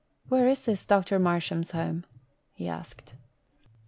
"Where is this Doctor Marsham's home?" he asked.